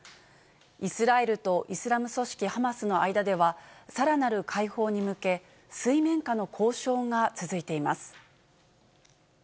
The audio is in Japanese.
イスラエルとイスラム組織ハマスの間では、さらなる解放に向け、水面下の交渉が続いています。